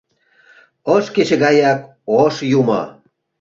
Ош кече гаяк Ош Юмо!